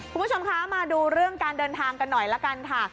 คุณผู้ชมคะมาดูเรื่องการเดินทางกันหน่อยละกันค่ะ